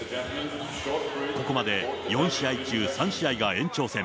ここまで４試合中３試合が延長戦。